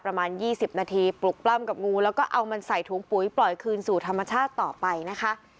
ประมาณ๒๐นาทีปลุกปล้ำกับงูแล้วก็เอามันใส่ถุงปุ๋ยปล่อยคืนสู่ธรรมชาติต่อไปนะคะ